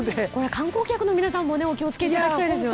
観光客の皆さんもお気を付けいただきたいですね。